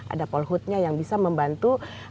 ada polhutnya yang bisa membantu